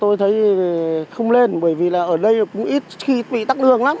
ít khi bị tắc đường lắm